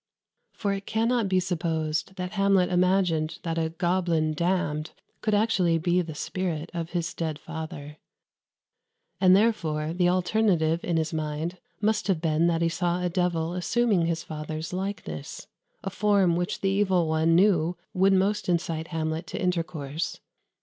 " For it cannot be supposed that Hamlet imagined that a "goblin damned" could actually be the spirit of his dead father; and, therefore, the alternative in his mind must have been that he saw a devil assuming his father's likeness a form which the Evil One knew would most incite Hamlet to intercourse.